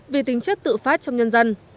vì tính chất tự phát trong nhân dân